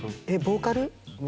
ボーカル。